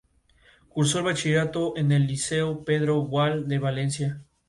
Dan no se ha unido a la banda definitivamente todavía.